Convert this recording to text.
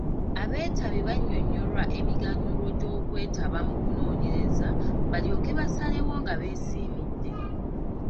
Abeetabi bannyonnyolwa emiganyulo gy'okwetaba mu kunoonyereza balyoke basalewo nga beesiimidde.